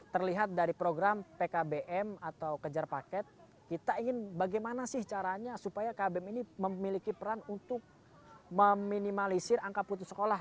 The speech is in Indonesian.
terlihat dari program pkbm atau kejar paket kita ingin bagaimana sih caranya supaya kbm ini memiliki peran untuk meminimalisir angka putus sekolah